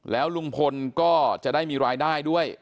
แล้วลุงพลก็จะได้มีรายได้ด้วย